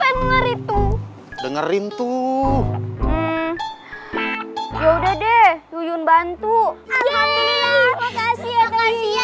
dengerin tuh dengerin tuh ya udah deh yun bantu alhamdulillah makasih ya